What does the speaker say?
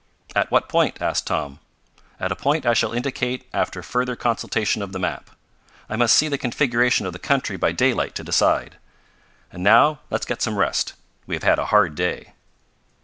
"At what point?" asked Tom. "At a point I shall indicate after a further consultation of the map. I must see the configuration of the country by daylight to decide. And now let's get some rest. We have had a hard day."